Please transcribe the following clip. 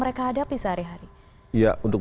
mereka hadapi sehari hari ya untuk